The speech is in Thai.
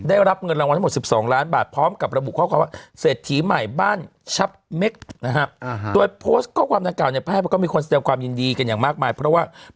ได้รับเงินรางวัลทั้งหมดสิบสองล้านบาทพร้อมกับระบุข้อความว่า